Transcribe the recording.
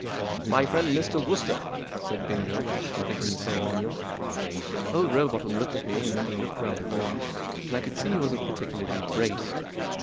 " My friend Mr. Wooster," said Bingo, completing the ceremonial. Old Rowbotham looked at me and then he looked round the room, and I could see he wasn't particularly braced.